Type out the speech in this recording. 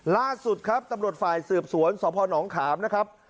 ล่าสุดครับตำรวจฝ่ายสืบสวนสพนขามนะครับ